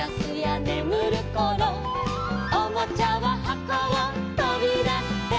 「おもちゃははこをとびだして」